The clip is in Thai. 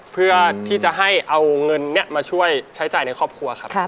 เพื่อที่จะให้เอาเงินมาช่วยใช้จ่ายในครอบครัวครับ